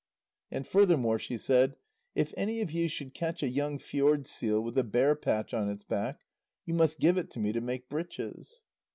And furthermore she said: "If any of you should catch a young fjord seal with a bare patch on its back, you must give it to me to make breeches."